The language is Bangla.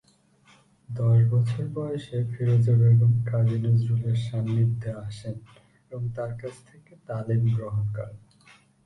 দশ বছর বয়সে ফিরোজা বেগম কাজী নজরুলের সান্নিধ্যে আসেন এবং তার কাছ থেকে তালিম গ্রহণ করেন।